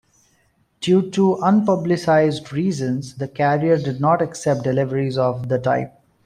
Due to unpublicized reasons, the carrier did not accept deliveries of the type.